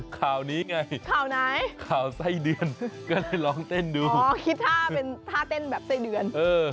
ข่าวนี้ไงข่าวไหนข่าวไซ่เดือนเราลองเต้นดูคิดท่าเต้นแบบไซ่เดือน